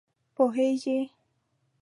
پوهېږې!